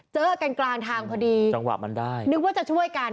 เจอกันกลางทางพอดีนึกว่าจะช่วยกัน